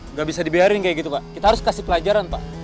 nggak bisa dibiarin kayak gitu pak kita harus kasih pelajaran pak